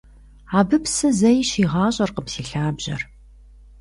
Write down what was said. Абы псы зэи щигъащӀэркъым си лъабжьэр.